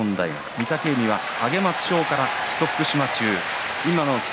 御嶽海は上松町から木曽福島中